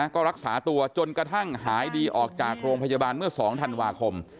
ก็รักษาตัวจนกระทั่งหายดีออกจากโรงพยาบาลเมื่อ๒ธันวาคม